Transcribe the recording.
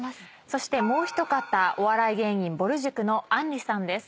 そしてもう一方お笑い芸人ぼる塾のあんりさんです。